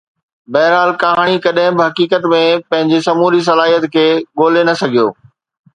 بهرحال ڪهاڻي ڪڏهن به حقيقت ۾ پنهنجي سموري صلاحيت کي ڳولي نه سگهيو